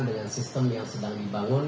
dengan sistem yang sedang dibangun